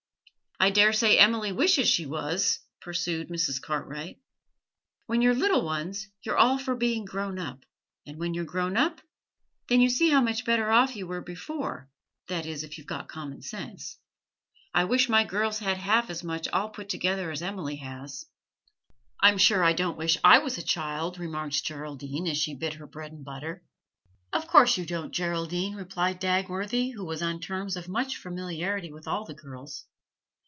'I dare say Emily wishes she was,' pursued Mrs. Cartwright. 'When you're little ones, you're all for being grown up, and when you are grown up, then you see how much better off you were before, that is, if you've got common sense. I wish my girls had half as much all put together as Emily has.' 'I'm sure I don't wish I was a child,' remarked Geraldine, as she bit her bread and butter. 'Of course you don't, Geraldine,' replied Dagworthy, who was on terms of much familiarity with all the girls.